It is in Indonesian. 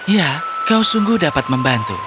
ya kau sungguh dapat membantu